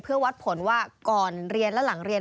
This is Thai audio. เพื่อวัดผลว่าก่อนเรียนและหลังเรียน